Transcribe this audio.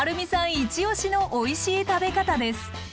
イチオシのおいしい食べ方です。